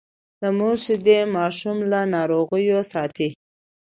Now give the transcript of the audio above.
د مور شیدې ماشوم له ناروغیو ساتي۔